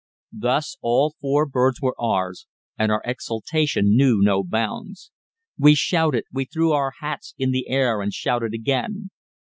Thus all four birds were ours, and our exultation knew no bounds. We shouted, we threw our hats in the air and shouted again.